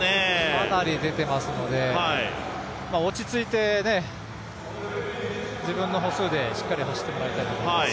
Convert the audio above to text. かなり出ていますので、落ち着いて自分の歩数で、しっかり走ってもらいたいと思います。